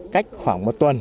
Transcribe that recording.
cách khoảng một tuần